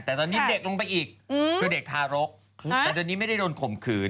แต่ตอนนี้เด็กลงไปอีกคือเด็กทารกแต่ตอนนี้ไม่ได้โดนข่มขืน